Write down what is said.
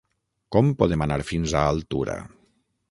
Com podem anar fins a Altura?